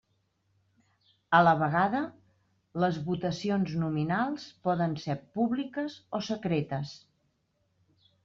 A la vegada, les votacions nominals poden ser públiques o secretes.